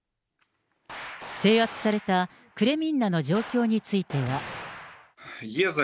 制圧されたクレミンナの状況については。